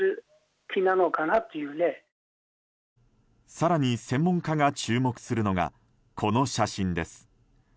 更に、専門家が注目するのがこの写真です。